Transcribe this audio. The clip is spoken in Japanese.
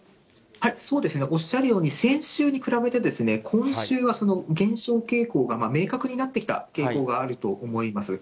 そうですね、おっしゃっるように、先週に比べて今週は減少傾向が明確になってきた傾向があると思います。